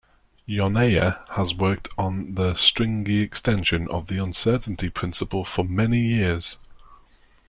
Yoneya has worked on the stringy extension of the uncertainty principle for many years.